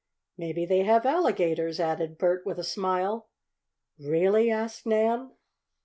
"Maybe they have alligators," added Bert with a smile. "Really?" asked Nan.